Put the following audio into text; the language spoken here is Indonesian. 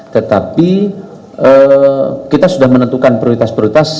tetapi kita sudah menentukan prioritas prioritas